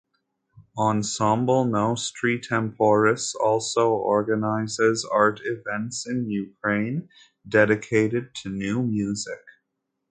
Ensemble Nostri Temporis also organizes art events in Ukraine dedicated to new music.